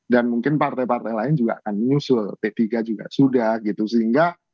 dan mungkin partai partai lain juga akan menyusul p tiga juga sudah gitu sehingga